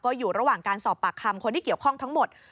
อยู่ระหว่างการสอบปากคำคนที่เกี่ยวข้องทั้งหมด